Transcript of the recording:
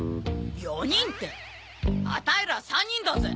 ４人ってアタイら３人だぜ。